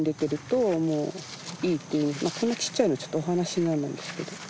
こんなちっちゃいのはちょっとお話にならないんですけど。